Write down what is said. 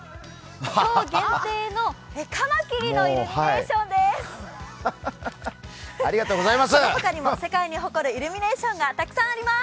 今日限定のカマキリのイルミネーションです。